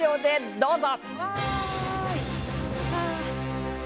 どうぞ。